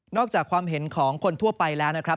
อกจากความเห็นของคนทั่วไปแล้วนะครับ